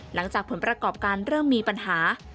หลังจากผลประกอบการเริ่มมีปัญหา